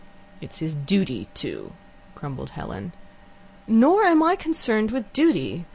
"It's his duty to," grumbled Helen. "Nor am I concerned with duty.